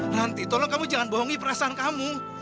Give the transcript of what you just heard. ranti tolong kamu jangan bohongin perasaan kamu